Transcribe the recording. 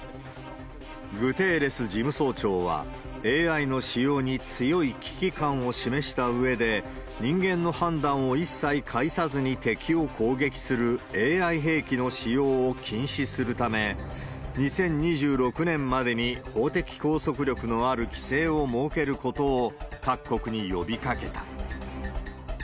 グテーレス事務総長は、ＡＩの使用に強い危機感を示したうえで、人間の判断を一切介さずに敵を攻撃するＡＩ兵器の使用を禁止するため、２０２６年までに法的拘束力のある規制を設けることを、各国に呼びかけた。